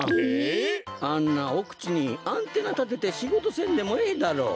あんなおくちにアンテナたててしごとせんでもええだろう。